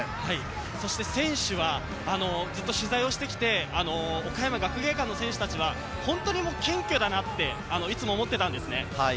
そして選手はずっと取材をしてきて、岡山学芸館の選手たちは本当に謙虚だなといつも思っていたんですね。